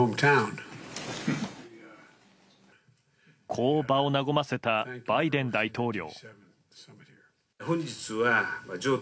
こう場を和ませたバイデン大統領。